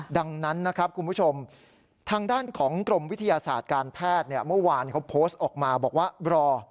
ดังนั้นนะครับคุณผู้ชมทางด้านของกรมวิทยาศาสตร์การแพทย์เมื่อวานเขาโพสต์ออกมาบอกว่ารอ